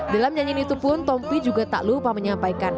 dalam nyanyian itu pun tompi juga tak lupa menyampaikan